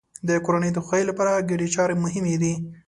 د کورنۍ د خوښۍ لپاره ګډې چارې مهمې دي.